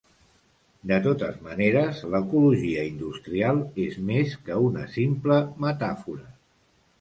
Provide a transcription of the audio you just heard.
De totes maneres l'ecologia industrial és més que una simple metàfora.